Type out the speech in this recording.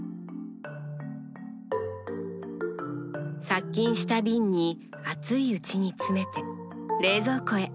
殺菌した瓶に熱いうちに詰めて冷蔵庫へ。